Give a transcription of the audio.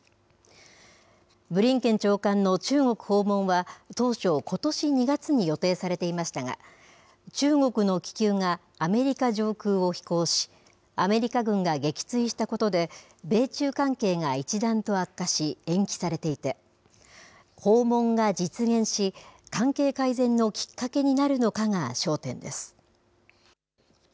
ブリンケン長官の中国訪問は、当初、ことし２月に予定されていましたが、中国の気球がアメリカ上空を飛行し、アメリカ軍が撃墜したことで、米中関係が一段と悪化し、延期されていて、訪問が実現し、関係改善のきっかけになるのかが焦点です。